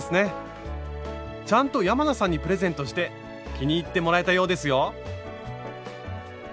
ちゃんと山名さんにプレゼントして気に入ってもらえたようですよ。